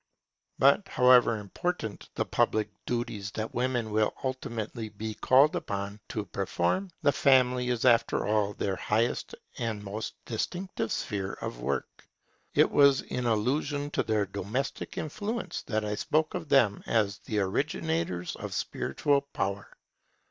[But the Family is their principal sphere of action] But, however important the public duties that women will ultimately be called upon to perform, the Family is after all their highest and most distinctive sphere of work. It was in allusion to their domestic influence that I spoke of them as the originators of spiritual power.